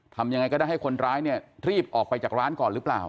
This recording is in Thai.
ทำยังไงก็ได้ให้คนร้ายเนี่ยรีบออกไปจากร้านก่อนหรือเปล่า